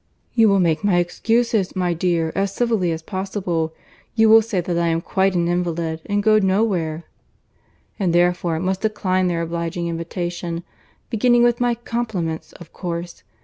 "You will make my excuses, my dear, as civilly as possible. You will say that I am quite an invalid, and go no where, and therefore must decline their obliging invitation; beginning with my compliments, of course.